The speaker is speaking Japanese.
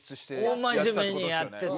大真面目にやってて。